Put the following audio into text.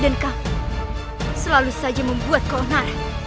dan kamu selalu saja membuat kau naras